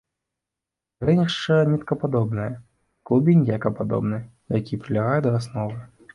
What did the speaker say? Карэнішча ніткападобнае, клубень яйкападобны, які прылягае да асновы.